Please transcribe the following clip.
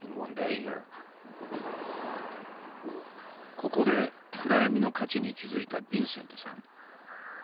ここで暗闇の価値に気付いたヴィンセントさん。